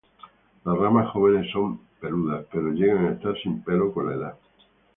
Las ramas jóvenes son peludas pero llegan a estar sin pelo con la edad.